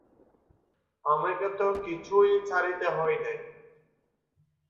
আমাকে তো কিছুই ছাড়িতে হয় নাই।